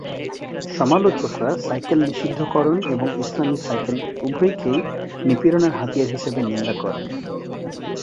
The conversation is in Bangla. সমালোচকরা সাইকেল নিষিদ্ধকরণ এবং ইসলামী সাইকেল উভয়কেই নিপীড়নের হাতিয়ার হিসেবে নিন্দা করেন।